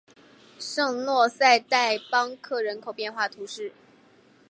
圣若塞代邦克人口变化图示